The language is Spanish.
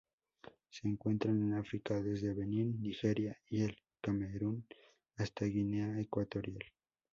Se encuentran en África: desde Benín, Nigeria y el Camerún hasta Guinea Ecuatorial.